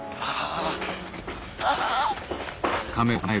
ああ。